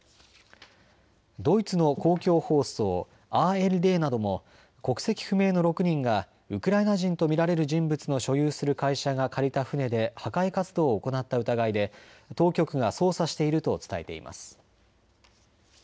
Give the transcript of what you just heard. ドイツの公共放送ＡＲＤなども国籍不明の６人がウクライナ人と見られる人物の所有する会社が借りた船で破壊活動を行った疑いで当局が捜査していると伝えています。